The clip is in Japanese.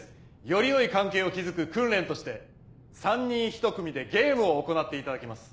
よりよい関係を築く訓練として３人１組でゲームを行っていただきます。